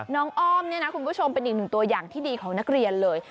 อ้อมเนี่ยนะคุณผู้ชมเป็นอีกหนึ่งตัวอย่างที่ดีของนักเรียนเลย